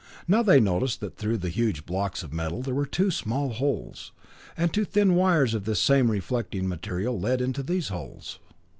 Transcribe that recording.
Now they noticed that through the huge blocks of metal there were two small holes, and two thin wires of this same reflecting material led into those holes.